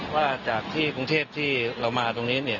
ว่าจากที่กรุงเทพที่เรามาตรงนี้